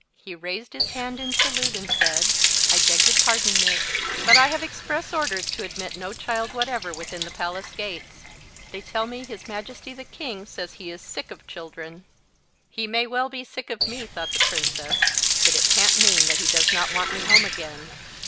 He raised his hand in salute, and said— "I beg your pardon, miss, but I have express orders to admit no child whatever within the palace gates. They tell me his majesty the king says he is sick of children." "He may well be sick of me!" thought the princess; "but it can't mean that he does not want me home again.